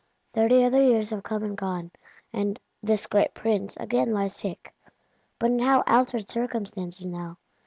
Thirty other years have come and gone; and "this great Prince" again lies sick; but in how altered circumstances now!